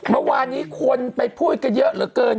เมื่อวานนี้คนไปพูดกันเยอะเหลือเกิน